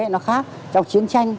nó khác trong chiến tranh